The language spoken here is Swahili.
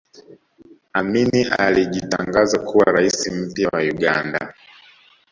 amini alijitangaza kuwa rais mpya wa uganda